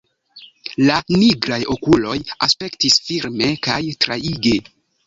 La nigraj okuloj aspektis firme kaj traige.